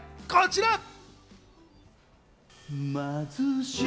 こちら。